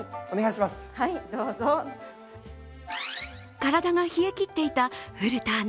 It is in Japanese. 体が冷えきっていた古田アナ。